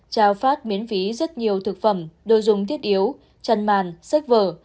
trao phát miễn phí rất nhiều thực phẩm đồ dùng thiết yếu chăn màn sách vở